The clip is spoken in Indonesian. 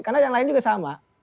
karena yang lain juga sama